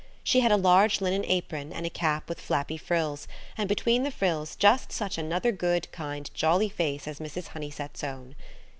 She had a large linen apron and a cap with flappy frills, and between the frills just such another good, kind, jolly face as Mrs. Honeysett's own.